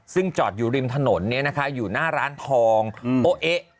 ซึ่งจอดอยู่ริมถนนอยู่หน้าร้านทองโอ๊เอ๊ะ